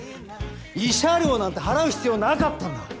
慰謝料なんて払う必要なかったんだ。